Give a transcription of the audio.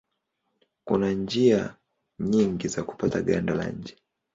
Kuna njia nyingi za kupata ganda la nje.